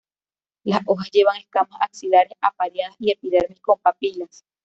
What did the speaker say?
Las hojas llevan escamas axilares apareadas y epidermis con papilas.